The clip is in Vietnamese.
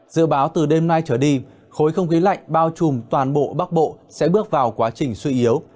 dự báo từ đêm nay trở đi khối không khí lạnh bao trùm toàn bộ bắc bộ sẽ bước vào quá trình suy yếu